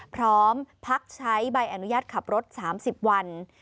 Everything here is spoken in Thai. พร้อมพักใช้ใบอนุญาตขับรถ๓๐วัน